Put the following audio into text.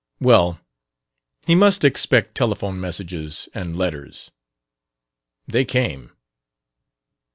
Well, he must expect telephone messages and letters. They came.